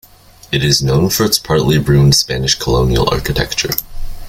It is known for its partly ruined Spanish Colonial architecture.